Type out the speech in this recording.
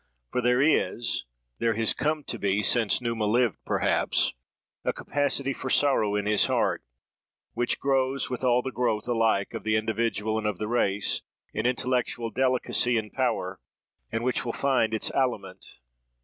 For there is, there has come to be since Numa lived perhaps, a capacity for sorrow in his heart, which grows with all the growth, alike of the individual and of the race, in intellectual delicacy and power, and which will find its aliment.